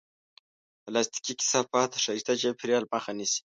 پلاستيکي کثافات د ښایسته چاپېریال مخه نیسي.